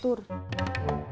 bukan lagi main catur